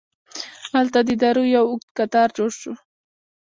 هلته د دارو یو اوږد قطار جوړ شو.